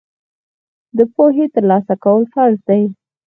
د پوهې ترلاسه کول فرض دي.